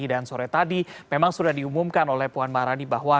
dan sore tadi memang sudah diumumkan oleh puan marani bahwa